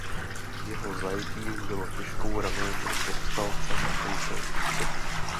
Jeho zajetí bylo těžkou ranou pro povstalce na tomto úseku.